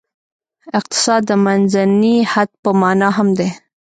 اقتصاد د منځني حد په معنا هم دی.